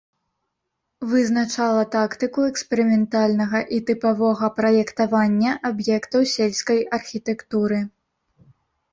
Вызначала тактыку эксперыментальнага і тыпавога праектавання аб'ектаў сельскай архітэктуры.